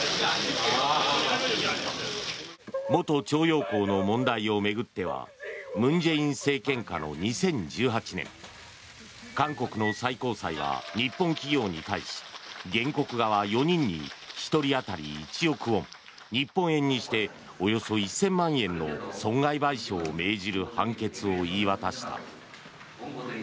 元徴用工の問題を巡っては文在寅政権下の２０１８年韓国の最高裁は日本企業に対し、原告側４人に１人当たり１億ウォン日本円にしておよそ１０００万円の損害賠償を命じる判決を言い渡した。